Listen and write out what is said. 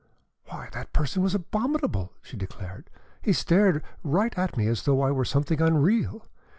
"Why, that person was abominable!" she declared. "He stared at me as though I were something unreal.